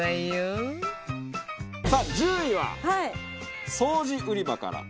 さあ１０位は掃除売り場から。